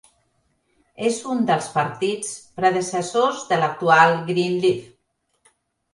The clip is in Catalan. És un dels partits predecessors de l'actual "GreenLeft".